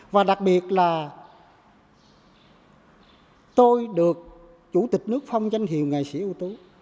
và đặc biệt là tôi được chủ tịch nước phong danh hiệu nghệ sĩ ưu tú